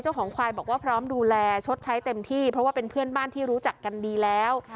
เจ้าของควายบอกว่าพร้อมดูแลชดใช้เต็มที่เพราะว่าเป็นเพื่อนบ้านที่รู้จักกันดีแล้ว